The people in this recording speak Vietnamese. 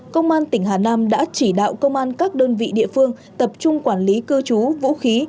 công an tỉnh hà nam đã chỉ đạo công an các đơn vị địa phương tập trung quản lý cư trú vũ khí